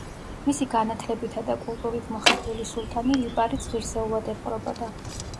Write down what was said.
მისი განათლებითა და კულტურით მოხიბლული სულთანი ლიპარიტს ღირსეულად ეპყრობოდა.